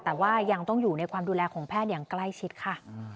แต่ว่ายังต้องอยู่ในความดูแลของแพทย์อย่างใกล้ชิดค่ะ